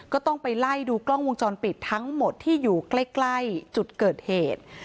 ก็ต้องไปไล่ดูกล้องวงจรปิดทั้งหมดที่อยู่ใกล้จุดเกิดเหตุ